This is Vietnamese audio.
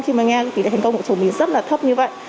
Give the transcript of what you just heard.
khi mà nghe tỷ lệ thành công của chủ mình rất là thấp như vậy